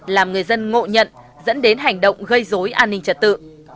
làm người dân ngộ nhận dẫn đến hành động gây dối an ninh trật tự